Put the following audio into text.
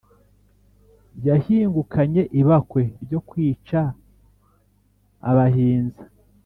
yahingukanye ibakwe ryo kwica abahinza